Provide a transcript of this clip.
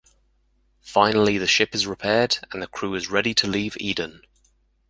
Finally the ship is repaired and the crew is ready to leave Eden.